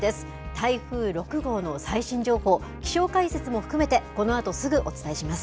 台風６号の最新情報、気象解説も含めて、このあとすぐお伝えします。